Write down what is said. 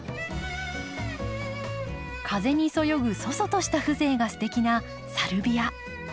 風にそよぐ楚々とした風情がすてきなサルビア。